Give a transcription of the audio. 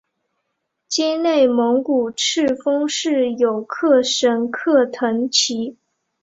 今内蒙古赤峰市有克什克腾旗。